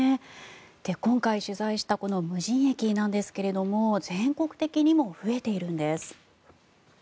今回取材したこの無人駅なんですが全国的にも増えているんです。